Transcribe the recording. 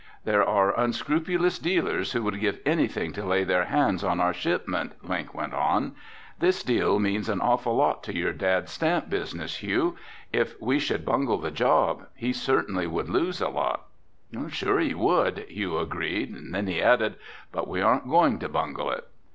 "There are unscrupulous dealers who would give anything to lay their hands on our shipment," Link went on. "This deal means an awful lot to your dad's stamp business, Hugh. If we should bungle the job, he certainly would lose a lot." "Sure he would," Hugh agreed, then he added, "but we aren't going to bungle it."